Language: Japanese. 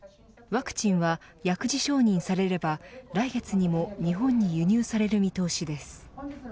ワクチンは薬事承認されれば来月にも日本に輸入される見通しです。